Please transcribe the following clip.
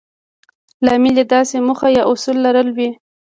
لامل يې داسې موخه يا اصول لرل وي.